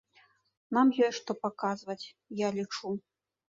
Нам ёсць што паказваць, я лічу.